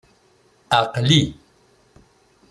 Aql-i.